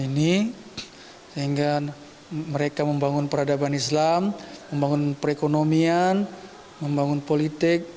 ini sehingga mereka membangun peradaban islam membangun perekonomian membangun politik